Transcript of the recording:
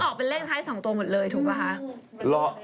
ออกเป็นเลขท้าย๒ตัวหมดเลยถูกป่ะคะ